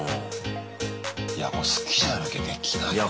いやこれ好きじゃなきゃできないね。